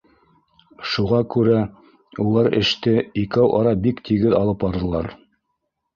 Шуға күрә, улар эште икәү ара бик тигеҙ алып барҙылар.